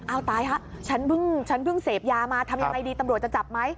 เอาตายฮะฉันเพิ่งเสพยามาทำยังไงดีตำรวจจะจับไหม